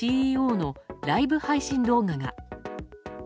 ＣＥＯのライブ配信動画が。